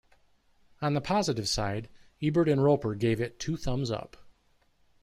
On the positive side, Ebert and Roeper gave it "Two Thumbs Up".